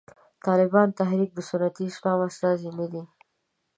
د طالبانو تحریک د سنتي اسلام استازی نه دی.